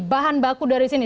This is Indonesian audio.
bahan baku dari sini